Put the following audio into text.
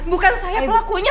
bukan saya pelakunya